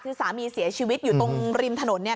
คือสามีเสียชีวิตอยู่ตรงริมถนนเนี่ย